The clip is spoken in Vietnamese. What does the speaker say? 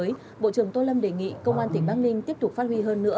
tại tp bắc ninh bộ trưởng tô lâm đề nghị công an tỉnh bắc ninh tiếp tục phát huy hơn nữa